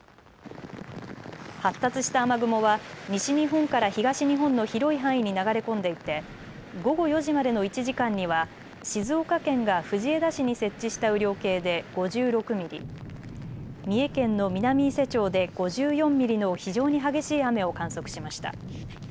発達した雨雲は西日本から東日本の広い範囲に流れ込んでいて午後４時までの１時間には静岡県が藤枝市に設置した雨量計で５６ミリ三重県の南伊勢町で５４ミリの非常に激しい雨を観測しました。